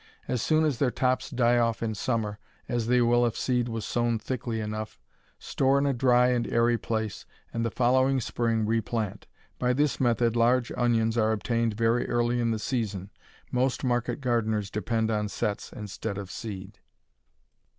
As soon as their tops die off in summer as they will if seed was sown thickly enough store in a dry and airy place, and the following spring replant. By this method large onions are obtained very early in the season. Most market gardeners depend on "sets" instead of seed.